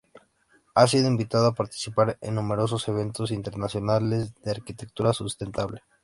Ha sido invitado a participar en numerosos eventos internacionales de arquitectura sustentable.